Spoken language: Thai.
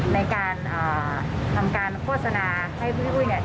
มีความรู้สึกว่าผู้ชายคุณนั้นทำไม่ถูกแล้วล่ะ